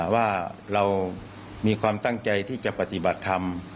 ว่าเรามีความตั้งใจที่จะปฏิบัติธรรม